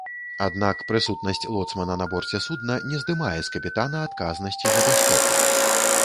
Аднак прысутнасць лоцмана на борце судна не здымае з капітана адказнасці за бяспеку.